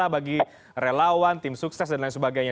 bagi relawan tim sukses dan lain sebagainya